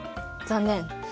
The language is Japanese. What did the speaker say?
残念！